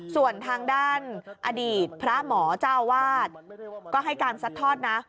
ส่วนทางด้านอดีตพระหมอเจ้าอาวาสก็ให้การซัดทอดนะ